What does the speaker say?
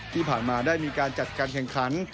ที่ผ่านมาได้มีการจัดการแข่งขัน